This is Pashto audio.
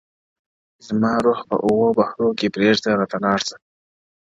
زما روح په اوو بحرو کي پرېږده راته لاړ سه _